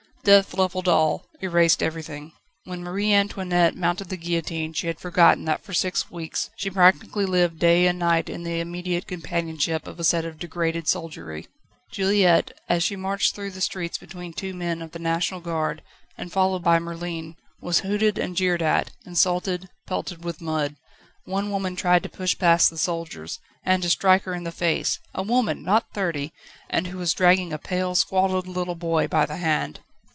Death levelled all, erased everything. When Marie Antoinette mounted the guillotine she had forgotten that for six weeks she practically lived day and night in the immediate companionship of a set of degraded soldiery. Juliette, as she marched through the streets between two men of the National Guard, and followed by Merlin, was hooted and jeered at, insulted, pelted with mud. One woman tried to push past the soldiers, and to strike her in the face a woman! not thirty! and who was dragging a pale, squalid little boy by the hand.